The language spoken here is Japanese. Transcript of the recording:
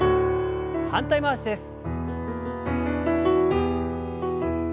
反対回しです。